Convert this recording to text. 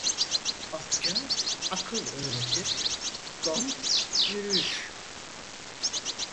Akça akıl öğretir, don yürüyüş.